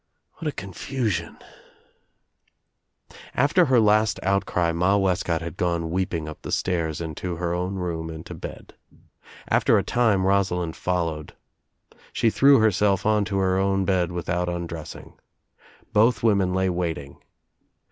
What a con fusion I After her last outcry Ma Wescott had gone weeping up the stairs and to her own room and to bed. After a time Rosalind followed. She threw herself onto her own bed without undressing. Both women lay waiting.